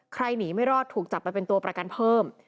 หนีไม่รอดถูกจับไปเป็นตัวประกันเพิ่ม